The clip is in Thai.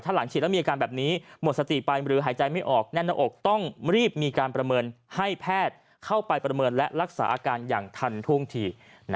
หลังฉีดแล้วมีอาการแบบนี้หมดสติไปหรือหายใจไม่ออกแน่นหน้าอกต้องรีบมีการประเมินให้แพทย์เข้าไปประเมินและรักษาอาการอย่างทันท่วงที